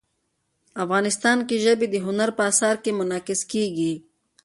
افغانستان کې ژبې د هنر په اثار کې منعکس کېږي.